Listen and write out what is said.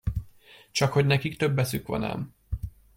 Csakhogy nekik több eszük van ám!